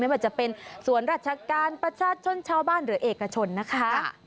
ว่าจะเป็นส่วนราชการประชาชนชาวบ้านหรือเอกชนนะคะ